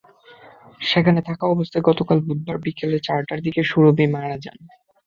সেখানেই থাকা অবস্থায় গতকাল বুধবার বিকেল চারটার দিকে সুরভী মারা যান।